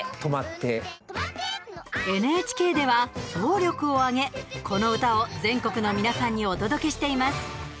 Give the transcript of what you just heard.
ＮＨＫでは総力を挙げこの歌を全国の皆さんにお届けしています。